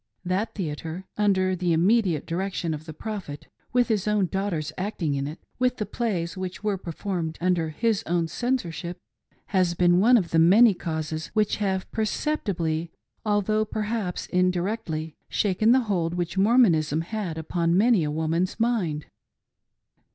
That theatre, — under the immediate direction of the Prophet ; with his own daughters acting in it ; with the plays which were performed BRIGHAM young's THEATRE. 38I under his own censorship — has been one of the many causes which have perceptibly, although perhaps indirectly, shaken the hold which Mormonism had upon many a woman's mind.